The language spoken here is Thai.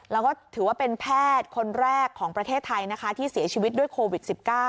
แล้วก็ถือว่าเป็นแพทย์คนแรกของประเทศไทยนะคะที่เสียชีวิตด้วยโควิด๑๙